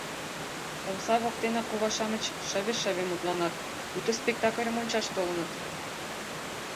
Омса воктенак кува-шамыч шыве-шыве мутланат, пуйто спектакльым ончаш толыныт.